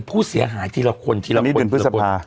ผู้เสียหายทีละคนทีละคนทีละคน